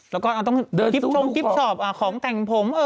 แล้วก็ต้องเดินทริปชอบของแต่งผม